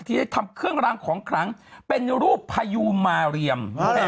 ได้ทำเครื่องรางของขลังเป็นรูปพยูมาเรียม